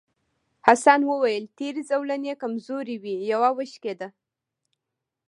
حسن وویل تېرې زولنې کمزورې وې یوه وشکېده.